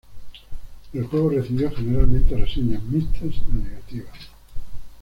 El juego recibió generalmente reseñas mixtas a negativas.